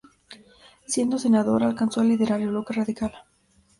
Siendo senador, alcanzó a liderar el bloque radical.